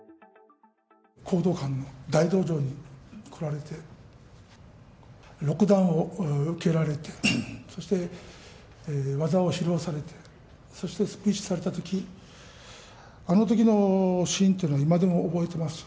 講道館の大道場に来られて、６段を受けられて、そして技を指導されて、そしてスピーチされたとき、あのときのシーンというのは、今でも覚えてます。